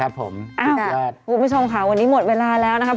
คุณผู้ชมค่ะวันนี้หมดเวลาแล้วนะครับ